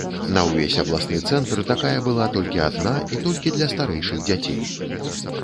На ўвесь абласны цэнтр такая была толькі адна і толькі для старэйшых дзяцей.